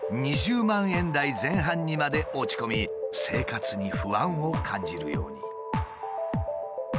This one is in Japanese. ２０万円台前半にまで落ち込み生活に不安を感じるように。